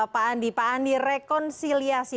pak andi pak andi rekonsiliasi